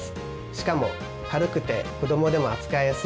しかも軽くて子どもでも扱いやすいんです。